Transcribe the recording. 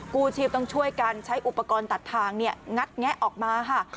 กู้ชีพต้องช่วยกันใช้อุปกรณ์ตัดทางงัดแงะออกมาค่ะ